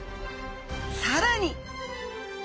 さらに！